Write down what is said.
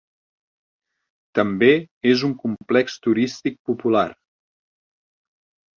També és un complex turístic popular.